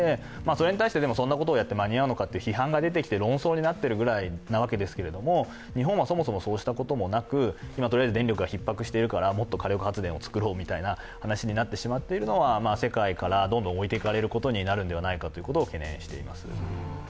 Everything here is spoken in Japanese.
それに対してそんなことをやって間に合うのかと批判が出てきて論争になっているわけですけれども、日本はそもそもそうしたこともなくとりあえず電力がひっ迫しているからもっと火力発電を作ろうというような話になっているのは世界からどんどん遅れていくのではないかと懸念しています。